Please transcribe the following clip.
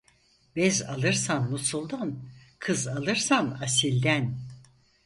Bez alırsan Musul'dan, kız alırsan asilden.